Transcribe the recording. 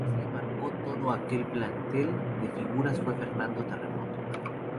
El que más le marcó de todo aquel plantel de figuras fue Fernando Terremoto.